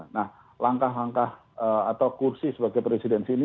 nah langkah langkah atau kursi sebagai presidensi ini